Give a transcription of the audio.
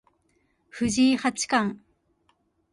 藤井八冠